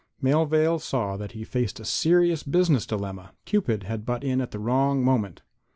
Melvale saw that he faced a serious business dilemma. Cupid had butt in at the wrong moment.